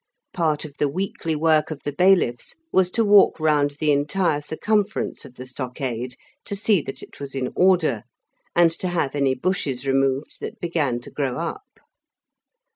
Part of the weekly work of the bailiffs was to walk round the entire circumference of the stockade to see that it was in order, and to have any bushes removed that began to grow up.